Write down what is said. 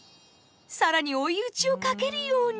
更に追い打ちをかけるように。